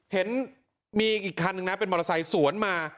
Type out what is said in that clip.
เห็นมีอีกคันนึงนะเป็นมอเตอร์ไซค์สวนมา